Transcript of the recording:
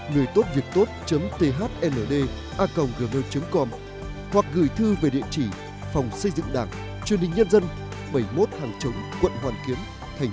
ngườitốtviệctốt thnda com hoặc gửi thư về địa chỉ phòng xây dựng đảng truyền hình nhân dân bảy mươi một hàng trồng quận hoàn kiến tp hà nội